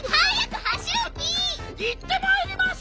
いってまいります！